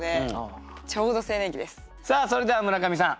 さあそれでは村上さん